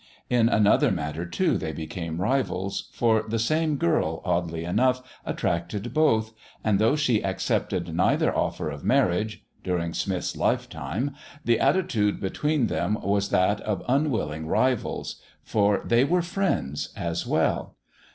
In another matter, too, they became rivals, for the same girl, oddly enough, attracted both, and though she accepted neither offer of marriage (during Smith's lifetime!), the attitude between them was that of unwilling rivals. For they were friends as well.